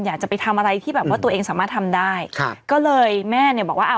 อยากจะไปทำอะไรที่แบบว่าตัวเองสามารถทำได้ครับก็เลยแม่เนี่ยบอกว่าอ่า